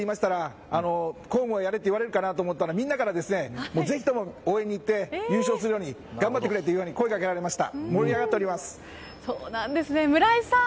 今回も応援に行くと言いましたら公務をやれと言われるかと思いましたがみんなからぜひとも応援に行って優勝するように頑張ってくれと声を掛けられました。